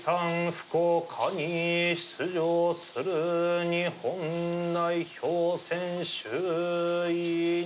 福岡に出場する日本代表選手。